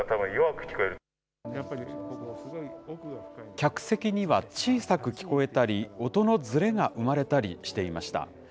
客席には小さく聞こえたり、音のずれが生まれたりしていました。